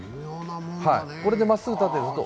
これでまっすぐ立ってると。